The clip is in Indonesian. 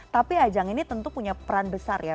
tapi ajang ini tentu punya peran berat